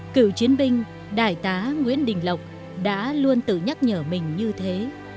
cựu chiến binh đại tá nguyễn đình lộc đã luôn tự nhắc nhở mình như thế